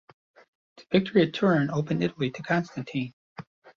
The victory at Turin opened Italy to Constantine.